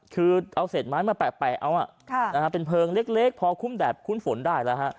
คือเอาเศษไม้มาแปะเอาเป็นเพลิงเล็กพอคุ้มแดดคุ้มฝนได้แล้วฮะ